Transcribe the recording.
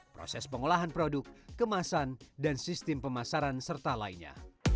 proses pengolahan produk kemasan dan sistem pemasaran serta lainnya